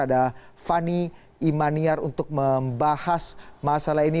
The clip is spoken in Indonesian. ada fani imaniar untuk membahas masalah ini